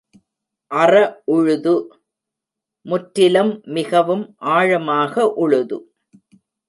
அற உழுது—முற்றிலும் மிகவும் ஆழமாக உழுது.